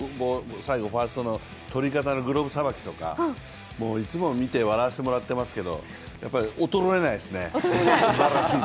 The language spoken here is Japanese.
最後、ファーストの取り方のグローブさばきとかもういつも見て笑わせてもらってますけど、衰えないですね、すばらしいね。